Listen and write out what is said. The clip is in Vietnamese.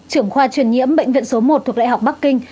trưởng khoa truyền nhiễm bệnh viện số một thuộc đại học bắc kinh